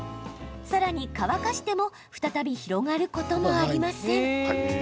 さらに乾かしても再び広がることもありません。